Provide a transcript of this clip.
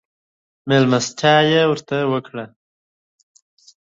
مېلمستيا يې ورته وکړه.